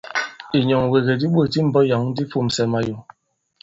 Ìnyɔ̀ŋwègè di ɓôt i mbɔ̄k yǎŋ di fūmsɛ mayo.